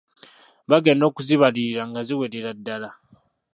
Bagenda okuzibalirira nga ziwerera ddala.